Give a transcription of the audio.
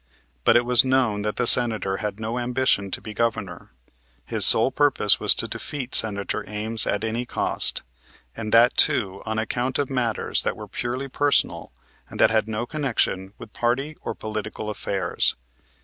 But it was known that the Senator had no ambition to be Governor. His sole purpose was to defeat Senator Ames at any cost, and that, too, on account of matters that were purely personal and that had no connection with party or political affairs.